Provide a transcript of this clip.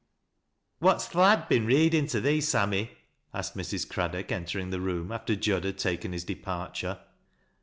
" What's th' lad been readin' to thee, Sammy ?" aekei' Mrs. Craddook entering tlie room, after Jud had ^aken hii departure.